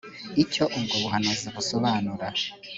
icyo ubwo buhanuzi busobanura